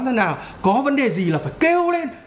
thế nào có vấn đề gì là phải kêu lên